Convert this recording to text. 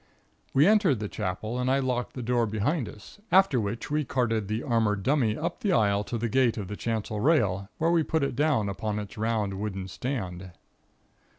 We entered the Chapel and I locked the door behind us, after which we carted the armored dummy up the aisle to the gate of the chancel rail where we put it down upon its round, wooden stand.